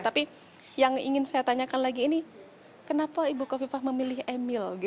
tapi yang ingin saya tanyakan lagi ini kenapa ibu kofifa memilih emil